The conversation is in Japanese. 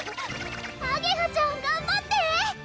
あげはちゃん頑張って！